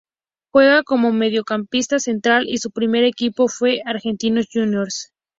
Juega como mediocampista central y su primer equipo fue Argentinos Juniors.